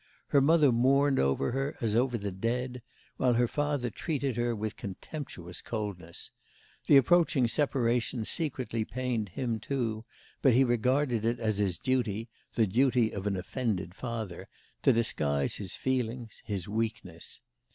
Her mother mourned over her, as over the dead, while her father treated her with contemptuous coldness; the approaching separation secretly pained him too, but he regarded it as his duty the duty of an offended father to disguise his feelings, his weakness.